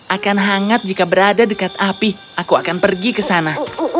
akan hangat jika berada dekat api aku akan pergi ke sana